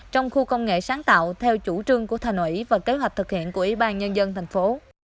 trong khu công nghệ sáng tạo theo chủ trương của thành ủy và kế hoạch thực hiện của ủy ban nhân dân thành phố